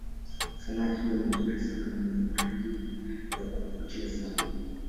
Sanaa hiyo ni nzuri sana na ina rangi za kuvutia sana.